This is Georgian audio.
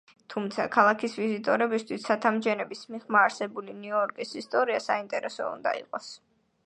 თუმცა, ქალაქის ვიზიტორებისთვის, ცათამბჯენებს მიღმა არსებული ნიუ-იორკის ისტორია, საინტერესო უნდა იყოს.